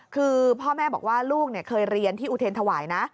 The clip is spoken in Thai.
คือพ่อแม่บอกว่าลูกเคยเรียนที่อุเทรนธวายนะ